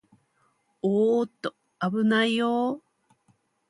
おーっと、あぶないよー